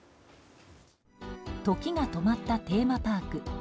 時が止まったテーマパーク。